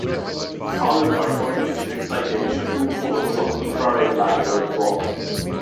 However, for each excitation, two photons of infrared light are absorbed.